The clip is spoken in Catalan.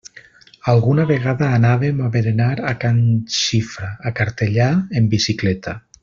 Alguna vegada anàvem a berenar a can Xifra, a Cartellà, en bicicleta.